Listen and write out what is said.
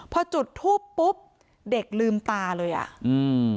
พอจุดทูปปุ๊บเด็กลืมตาเลยอ่ะอืม